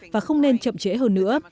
và không nên chậm trễ hơn nữa